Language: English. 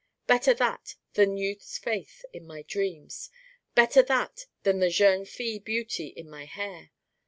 Better that than Youth's faith in my dreams. Better that than the jeune fille beauty in my hair.